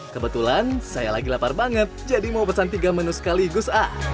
kebetulan saya lagi lapar banget jadi mau pesan tiga menu sekaligus ah